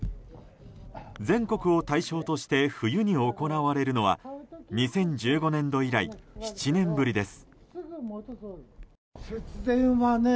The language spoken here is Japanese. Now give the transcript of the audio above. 全国を対象として冬に行われるのは２０１５年度以来７年ぶりです。